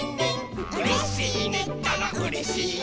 「うれしいねったらうれしいよ」